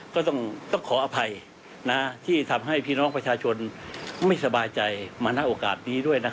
ก็ต้องขออภัยที่ทำให้พี่น้องประชาชนไม่สบายใจมาณโอกาสนี้ด้วย